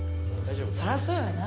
そりゃそうやな。